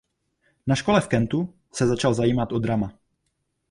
Na škole v Kentu se začal zajímat o drama.